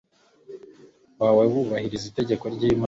wawe wubahiriza itegeko ry Imana